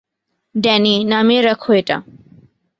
Danny, নামিয়ে রাখ এটা।